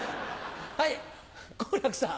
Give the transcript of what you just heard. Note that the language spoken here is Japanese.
はい好楽さん。